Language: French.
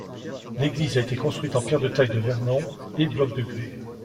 L'église a été construite en pierre de taille de Vernon et blocs de gré.